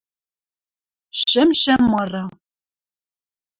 Шӹмшӹ мыры